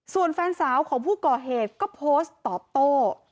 ส่วนแฟนสาวของผู้ก่อเหตุก็โพสต์ตอบโต้